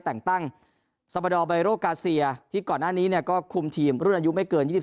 แต่งตั้งที่ก่อนหน้านี้เนี่ยก็คุมทีมรุ่นอายุไม่เกินยี่สิบ